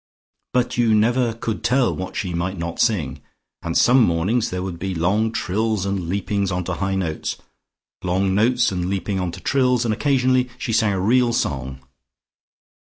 But you never could tell what she might not sing, and some mornings there would be long trills and leapings onto high notes: long notes and leaping onto trills, and occasionally she sang a real song.